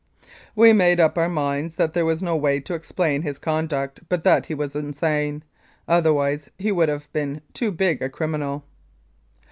: We made up our minds there was no way to explain his conduct but that he was insane, other wise he would have to be too big a criminal.